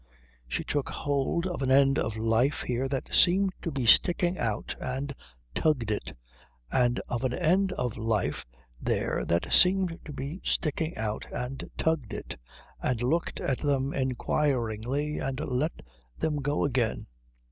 She took hold of an end of life here that seemed to be sticking out and tugged it, and of an end of life there that seemed to be sticking out and tugged it, and looked at them inquiringly and let them go again.